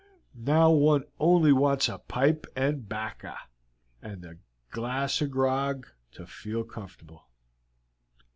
"Now one only wants a pipe and bacca and a glass of grog, to feel comfortable."